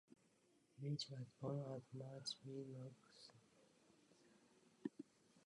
Leach was born at Much Wenlock, Shropshire.